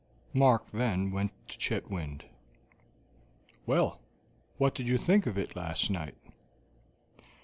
Mark then went to Chetwynd. "Well, what did you think of it last night?"